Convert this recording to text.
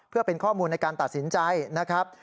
เพื่อเป็นข้อมูลในการตัดสินใจนะครับ